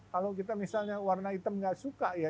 kalau kita misalnya warna hitam nggak suka ya